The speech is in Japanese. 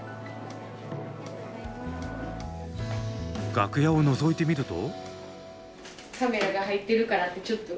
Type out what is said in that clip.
楽屋をのぞいてみると。